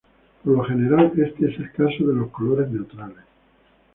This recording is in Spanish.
Por lo general, este es el caso de los colores neutrales.